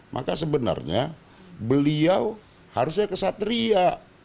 maka sebenarnya beliau harusnya kesatria